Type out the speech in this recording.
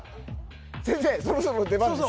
先生そろそろ出番です